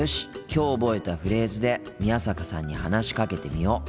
きょう覚えたフレーズで宮坂さんに話しかけてみよう。